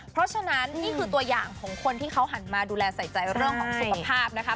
เพราะฉะนั้นนี่คือตัวอย่างของคนที่เขาหันมาดูแลใส่ใจเรื่องของสุขภาพนะคะ